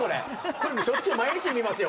これしょっちゅう毎日見ますよ